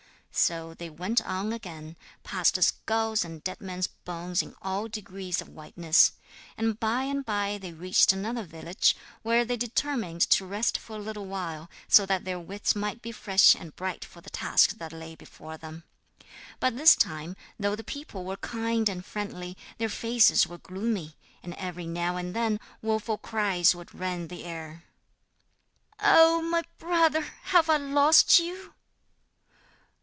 So they went on again, past skulls and dead men's bones in all degrees of whiteness. And by and by they reached another village, where they determined to rest for a little while, so that their wits might be fresh and bright for the task that lay before them. But this time, though the people were kind and friendly, their faces were gloomy, and every now and then woeful cries would rend the air. 'Oh! my brother, have I lost you?'